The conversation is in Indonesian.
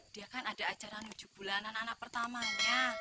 dia kan ada acara menuju bulanan anak pertamanya